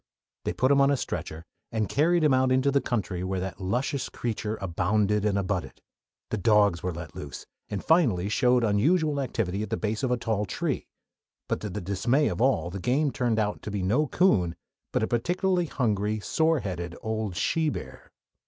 They put him on a stretcher and carried him out into the country where that luscious creature "abounded and abutted." The dogs were let loose, and finally showed unusual activity at the base of a tall tree; but, to the dismay of all, the game turned out to be no coon, but a particularly hungry, sore headed, old she bear.